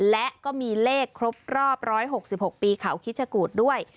และก็มีเลขครบรอบ๑๖๖ปีเขาคิดชะกูธด้วย